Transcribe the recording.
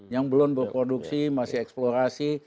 yang belum berproduksi masih eksplorasi